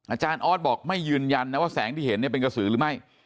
อาจารย์ออสบอกไม่ยืนยันนะว่าแสงที่เห็นเนี่ยเป็นกระสือหรือไม่